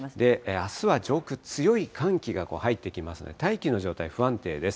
あすは上空、強い寒気が入ってきますので、大気の状態、不安定です。